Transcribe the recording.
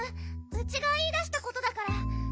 ウチがいいだしたことだから。